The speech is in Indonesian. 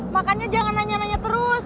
makanya jangan nanya nanya terus